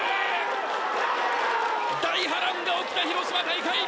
大波乱が起きた広島大会！